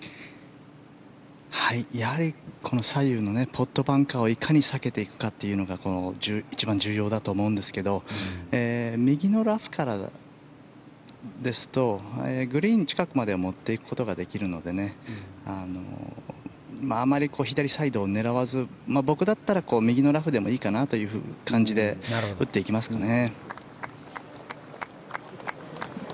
やはり、この左右のポットバンカーをいかに避けていくかというのが一番重要だと思うんですが右のラフからですとグリーン近くまで持っていくことができるのであまり左サイドを狙わず僕だったら右のラフでもいいかなという感じで打っていきますかね。